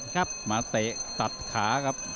ครับมาเตะตัดขาครับ